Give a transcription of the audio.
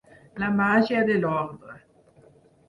La màgia de l’ordre.